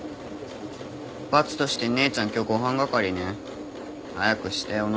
罰として姉ちゃん今日ご飯係ね。早くしておなか減った。